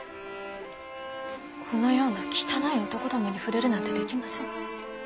このような汚い男どもに触れるなんてできません。